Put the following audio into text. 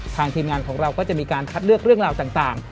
ทีมงานของเราก็จะมีการคัดเลือกเรื่องราวต่าง